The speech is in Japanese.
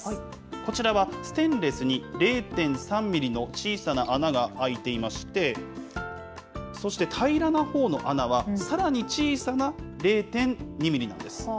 こちらはステンレスに０．３ミリの小さな穴が開いていまして、そして平らなほうの穴は、さらに小さな０．２ミリなんです。